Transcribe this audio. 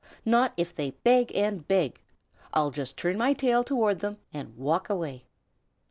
Not if they beg and beg! I'll just turn my tail toward them and walk away."